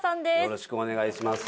よろしくお願いします。